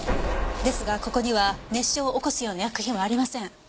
ですがここには熱傷を起こすような薬品はありません。